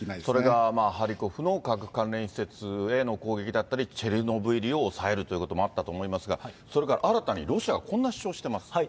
それがハリコフの核関連施設への攻撃だったり、チェルノブイリをおさえるということもあったと思うんですが、それから新たにロシアがこんな主張をしてます。